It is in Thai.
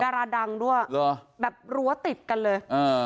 ดาราดังด้วยเหรอแบบรั้วติดกันเลยอ่า